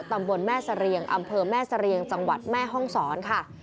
ตำบลแม่เสรียงอำเภอแม่เสรียงจังหวัดแม่ห้องศรค่ะ